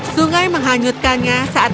sungai menghanyutkannya saat